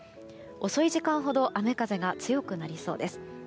遅い時間ほど雨風が強くなりそうです。